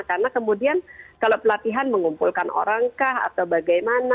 karena kemudian kalau pelatihan mengumpulkan orang kah atau bagaimana